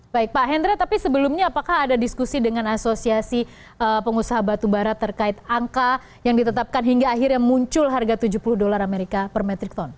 baik pak hendra tapi sebelumnya apakah ada diskusi dengan asosiasi pengusaha batubara terkait angka yang ditetapkan hingga akhirnya muncul harga tujuh puluh dolar amerika per metric ton